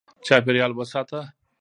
چاپېریال وساته.